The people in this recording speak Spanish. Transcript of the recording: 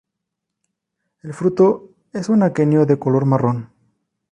El fruto es un aquenio de color marrón.